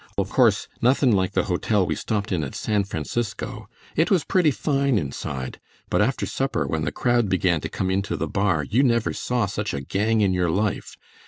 Of course nothin' like the hotel we stopped at in San Francisco. It was pretty fine inside, but after supper when the crowd began to come in to the bar you never saw such a gang in your life!